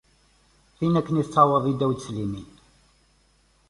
Tin akken i tweɛdeḍ i Dawed s limin.